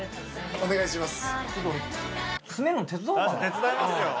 お願いします。